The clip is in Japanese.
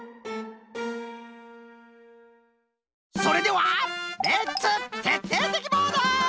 それではレッツてっていてきボード！